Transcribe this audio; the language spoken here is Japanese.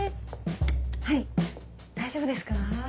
はい大丈夫ですか？